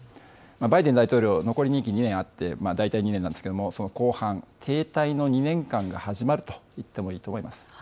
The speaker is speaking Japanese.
バイデン大統領、残り任期２年あって、大体２年なんですけれども、その後半、停滞の２年間が始まると言ってもいいと思います。